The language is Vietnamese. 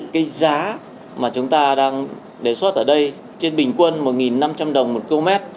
cái giá mà chúng ta đang đề xuất ở đây trên bình quân một năm trăm linh đồng một km